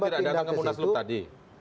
maksudnya tidak datang ke bunda slup tadi